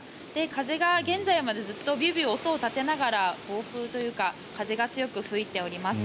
風が現在までずっとビュービュー音を立てながら暴風というか風が強く吹いております。